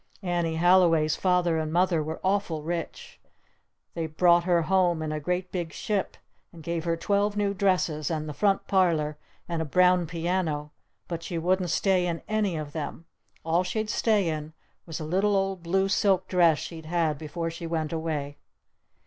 Annie Halliway's father and mother were awful rich. They brought her home in a great big ship! And gave her twelve new dresses and the front parlor and a brown piano! But she wouldn't stay in any of them! All she'd stay in was a little old blue silk dress she'd had before she went away!